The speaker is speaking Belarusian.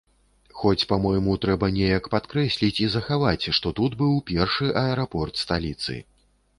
Хоць, па-мойму, трэба неяк падкрэсліць і захаваць, што тут быў першы аэрапорт сталіцы.